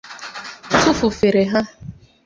tufu feere ha